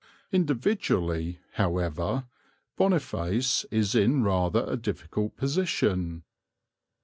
Individually, however, Boniface is in rather a difficult position.